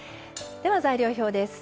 では材料表です。